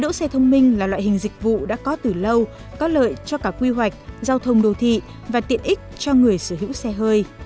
đỗ xe thông minh là loại hình dịch vụ đã có từ lâu có lợi cho cả quy hoạch giao thông đô thị và tiện ích cho người sở hữu xe hơi